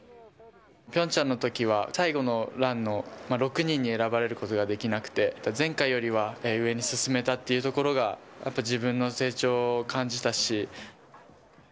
ピョンチャンのときは、最後のランの６人に選ばれることができなくて、前回よりは上に進めたっていうところが、自分の成長を感じたし。